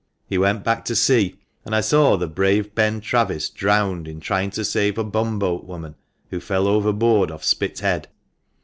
He went back to sea, and I saw the brave Ben Travis drowned in trying to save a bumboat woman, who fell overboard off Spithead.